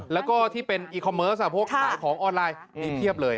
แล้วก็ที่เป็นอีคอมเมิร์สพวกขายของออนไลน์มีเพียบเลย